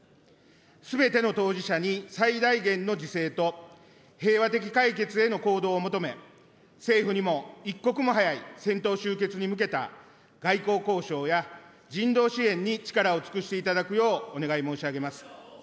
すべての当事者に最大限の自制と平和的解決への行動を求め、政府にも一刻も早い戦闘終結に向けた外交交渉や、人道支援に力を尽くしていただくよう、お願い申し上げます。